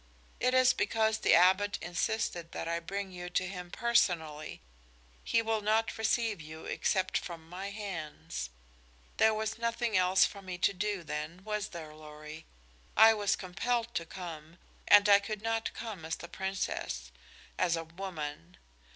"It is because the Abbot insisted that I bring you to him personally. He will not receive you except from my hands. There was nothing else for me to do, then, was there, Lorry? I was compelled to come and I could not come as the Princess as a woman.